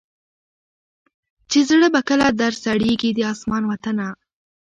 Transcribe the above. چي زړه به کله در سړیږی د اسمان وطنه